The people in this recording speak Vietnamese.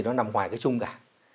nó nằm ngoài cái chung cả